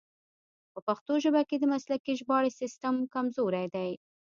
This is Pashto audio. په پښتو ژبه کې د مسلکي ژباړې سیستم کمزوری دی.